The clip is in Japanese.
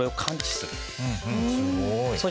すごい。